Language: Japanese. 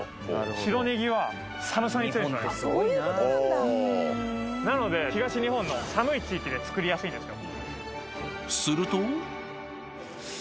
白ねぎは寒さに強いんですなので東日本の寒い地域で作りやすいんですよ